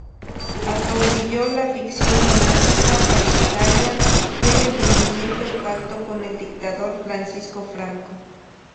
Acaudilló la facción monárquica partidaria del entendimiento y pacto con el dictador Francisco Franco.